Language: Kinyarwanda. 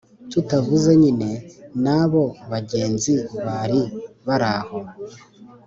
tutavuze nyine n'abo bagenzi bari baraho